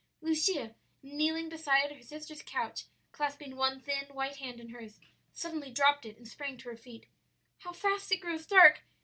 "Lucia, kneeling beside her sister's couch, clasping one thin, white hand in hers, suddenly dropped it and sprang to her feet. "'How fast it grows dark!